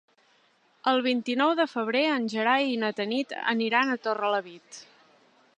El vint-i-nou de febrer en Gerai i na Tanit aniran a Torrelavit.